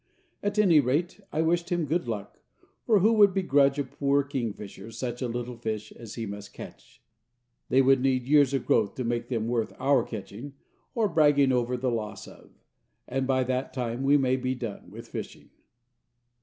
At any rate, I wished him good luck, for who would begrudge a poor kingfisher such little fish as he must catch! They would need years of growth to make them worth our catching or bragging over the loss of, and by that time we may be done with fishing.